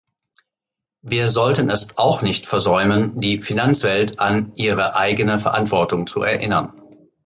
Wir sollten es auch nicht versäumen, die Finanzwelt an ihre eigene Verantwortung zu erinnern.